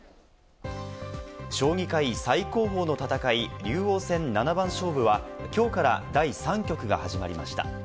将棋界最高峰の戦い、竜王戦七番勝負は今日から第３局が始まりました。